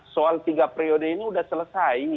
soal tiga periode ini sudah selesai